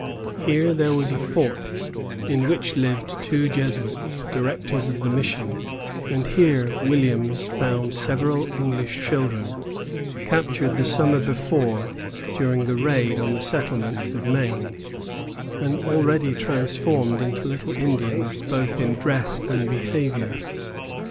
Here there was a fort, in which lived two Jesuits, directors of the mission, and here Williams found several English children, captured the summer before during the raid on the settlements of Maine, and already transformed into little Indians both in dress and behavior.